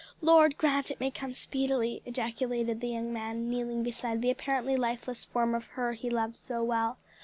"Lord, grant it may come speedily," ejaculated the young man, kneeling beside the apparently lifeless form of her he loved so well.